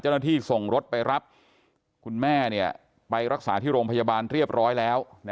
เจ้าหน้าที่ส่งรถไปรับคุณแม่ไปรักษาที่โรงพยาบาลเรียบร้อยแล้ว